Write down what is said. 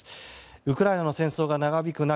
ウクライナの戦争が長引く中